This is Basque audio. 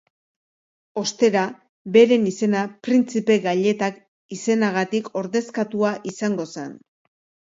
Ostera beren izena printzipe gailetak izenagatik ordezkatua izango zen.